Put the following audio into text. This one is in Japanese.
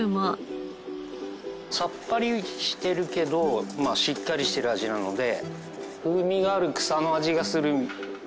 さっぱりしてるけどしっかりしてる味なので。